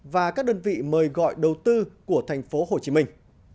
và các đơn vị mời gọi đầu tư của thành phố hồ chí minh